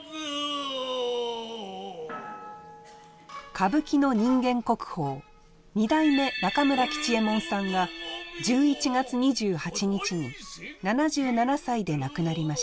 歌舞伎の人間国宝二代目中村吉右衛門さんが１１月２８日に７７歳で亡くなりました。